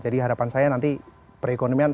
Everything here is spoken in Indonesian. jadi harapan saya nanti perekonomian